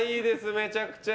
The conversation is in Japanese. めちゃくちゃ。